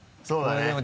そうだね。